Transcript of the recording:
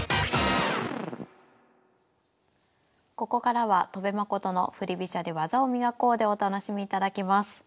ここからは「戸辺誠の振り飛車で技を磨こう！」でお楽しみいただきます。